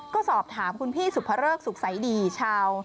ก็สอบถามคุณพี่สุภเริกสุขใสดีชาว